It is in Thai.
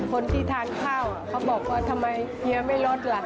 คนที่ทานข้าวเขาบอกว่าทำไมเฮียไม่ลดล่ะ